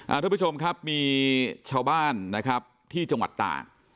ทุกผู้ชมครับมีชาวบ้านนะครับที่จังหวัดตาก